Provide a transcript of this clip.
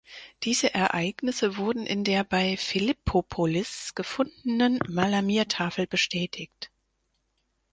Diese Ereignisse wurden in der bei Philippopolis gefundenen "Malamir-Tafel" bestätigt.